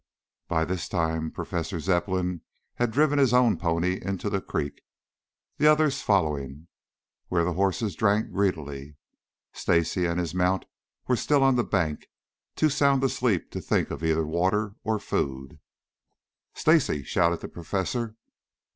By this time Professor Zepplin had driven his own pony into the creek, the others following, where the horses drank greedily. Stacy and his mount were still on the bank, too sound asleep to think of either water or food. "Stacy!" shouted the professor.